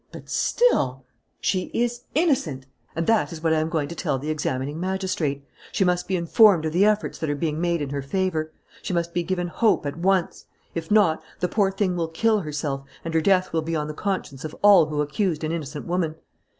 "But still " "She is innocent! And that is what I am going to tell the examining magistrate. She must be informed of the efforts that are being made in her favour. She must be given hope at once. If not, the poor thing will kill herself and her death will be on the conscience of all who accused an innocent woman.